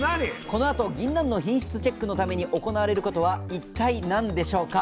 このあとぎんなんの品質チェックのために行われることは一体何でしょうか？